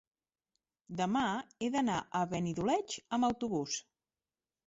Demà he d'anar a Benidoleig amb autobús.